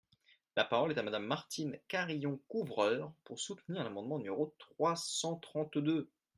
La parole est à Madame Martine Carrillon-Couvreur, pour soutenir l’amendement numéro trois cent trente-deux.